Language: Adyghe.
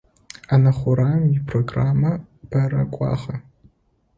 Ӏэнэ хъураем ипрограммэ бэрэ кӏуагъэ.